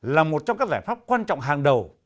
là một trong các giải pháp quan trọng hàng đầu